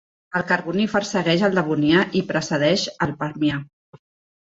El Carbonífer segueix el Devonià i precedeix el Permià.